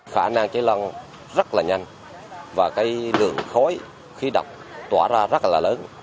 khả năng cháy lan rất là nhanh và cái lượng khói khí độc tỏa ra rất là lớn